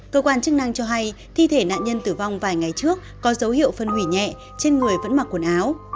cơ quan chức năng cho hay thi thể nạn nhân tử vong vài ngày trước có dấu hiệu phân hủy nhẹ trên người vẫn mặc quần áo